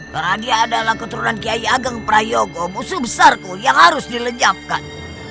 kerajaan adalah keturunan kiai ageng prayogo musuh besarku yang harus dilejapkan